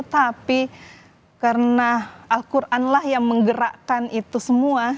tapi karena al quran lah yang menggerakkan itu semua